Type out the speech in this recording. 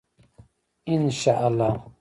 انشاالله.